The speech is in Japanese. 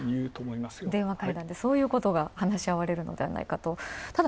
電話会談でそういうことが話し合われるのではないかと。